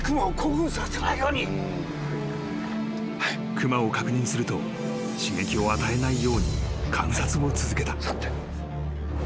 ［熊を確認すると刺激を与えないように観察を続けた］